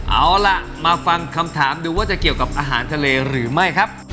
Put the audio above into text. เอาล่ะมาฟังคำถามดูว่าจะเกี่ยวกับอาหารทะเลหรือไม่ครับ